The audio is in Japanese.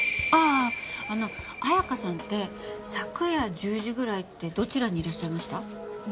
あああの彩華さんって昨夜１０時ぐらいってどちらにいらっしゃいました？